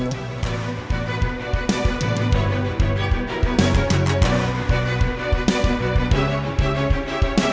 tolong jaga andi ya allah